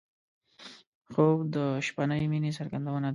خوب د شپهنۍ مینې څرګندونه ده